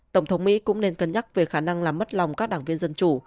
tổng thống mỹ cũng nên cân nhắc về khả năng làm mất lòng các đảng viên dân chủ